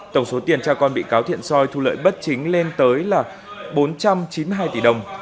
tổng số tiền cha con bị cáo thiện soi thu lợi bất chính lên tới là bốn trăm chín mươi hai tỷ đồng